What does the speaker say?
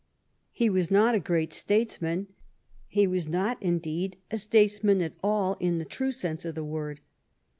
He was not a great statesman; he was not, indeed, a statesman at all in the true sense of the word.